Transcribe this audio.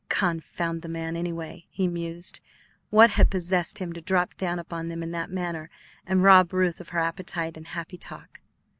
Confound the man, anyway! he mused; what had possessed him to drop down upon them in that manner and rob Ruth of her appetite and happy talk?